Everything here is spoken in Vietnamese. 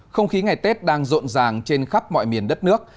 không khí ngày tết đang rộn ràng trên khắp mọi miền đất nước